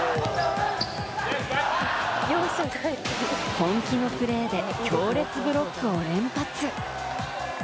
本気のプレーで強烈ブロックを連発。